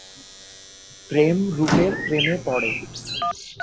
প্রেম রূপের প্রেমে পড়ে।